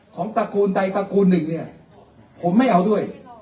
ตระกูลใดตระกูลหนึ่งเนี่ยผมไม่เอาด้วย